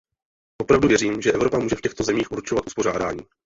Opravdu věřím, že Evropa může v těchto zemích určovat uspořádání.